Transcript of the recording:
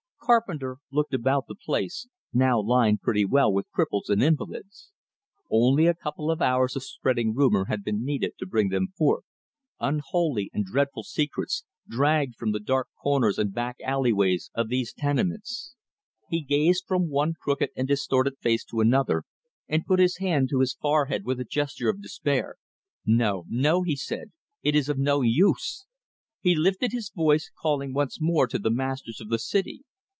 Carpenter looked about the place, now lined pretty well with cripples and invalids. Only a couple of hours of spreading rumor had been needed to bring them forth, unholy and dreadful secrets, dragged from the dark corners and back alley ways of these tenements. He gazed from one crooked and distorted face to another, and put his hand to his forehead with a gesture of despair. "No, no!" he said. "It is of no use!" He lifted his voice, calling once more to the masters of the city.